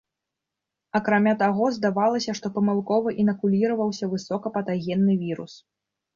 Акрамя таго, здаралася, што памылкова інакуліраваўся высока патагенны вірус.